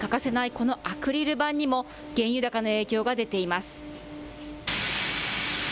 このアクリル板にも、原油高の影響が出ています。